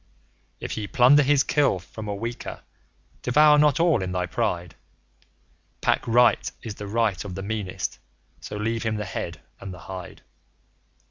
If ye plunder his Kill from a weaker, devour not all in thy pride; Pack Right is the right of the meanest; so leave him the head and the hide.